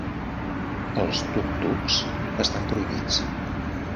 Els tuk-tuks estan prohibits.